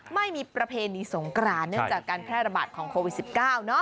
ไม่มีประเพณีสงกรานเนื่องจากการแพร่ระบาดของโควิด๑๙